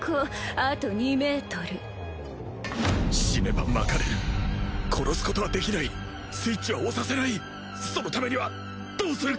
あと２ｍ死ねばまかれる殺すことはできないスイッチは押させないそのためにはどうする！？